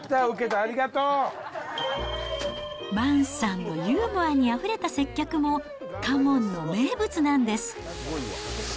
マンスさんのユーモアにあふれた接客も、花門の名物なんです。